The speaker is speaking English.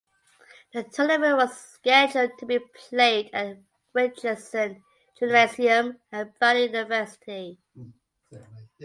The tournament was scheduled to be played at Richardson Gymnasium at Brandon University.